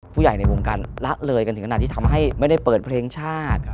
ผู้ใหญ่ในวงการละเลยกันถึงขนาดที่ทำให้ไม่ได้เปิดเพลงชาติ